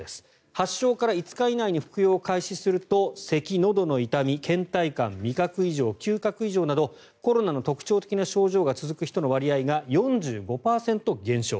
発症から５日以内に服用を開始するとせき、のどの痛み、けん怠感味覚異常、嗅覚異常などコロナの特徴的な症状が続く人の割合が４５％減少。